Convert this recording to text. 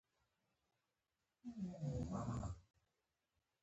د اقتصاد موضوع شتمني توکي او خدمات دي چې تولید او ویشل کیږي